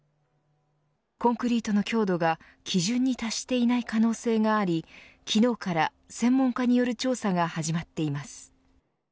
コンクリートの強度が基準に達していない可能性があり昨日から、専門家による調査が始まっています。